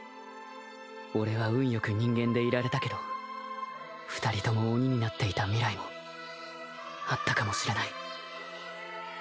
俺は運よく人間でいられたけど２人とも鬼になっていた未来もあったかもしれない